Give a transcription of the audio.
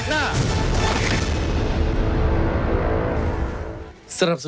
ชูเว็ตกระมวลวิสิต